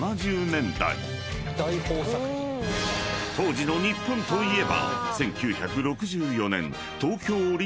［当時の日本といえば］